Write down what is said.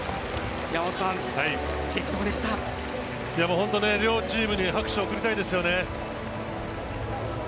本当、両チームに拍手を送りたいですね。